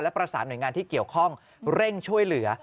ประสานหน่วยงานที่เกี่ยวข้องเร่งช่วยเหลือ